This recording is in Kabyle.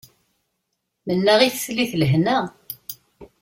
Mennaɣ i teslit lehna.